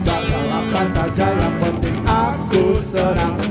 salah pasal jalan penting aku serang